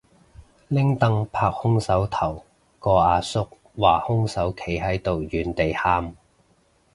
拎櫈拍兇手頭個阿叔話兇手企喺度原地喊